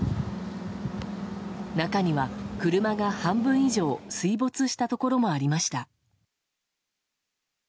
中には車が半分以上水没したところもありました。